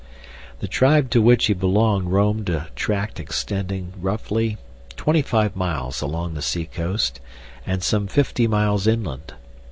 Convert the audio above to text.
The tribe to which he belonged roamed a tract extending, roughly, twenty five miles along the seacoast and some fifty miles inland.